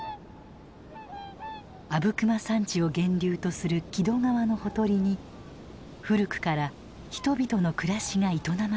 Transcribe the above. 阿武隈山地を源流とする木戸川のほとりに古くから人々の暮らしが営まれてきました。